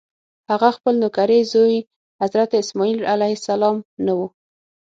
هغه خپل نوکرې زوی حضرت اسماعیل علیه السلام نه و.